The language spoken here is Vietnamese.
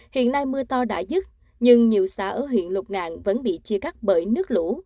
hiện nay mưa to đã dứt nhưng nhiều xã ở huyện lục ngạn vẫn bị chia cắt bởi nước lũ